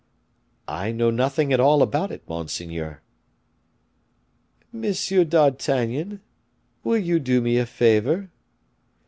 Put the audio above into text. "I know nothing at all about it, monseigneur." "Monsieur d'Artagnan, will you do me a favor?"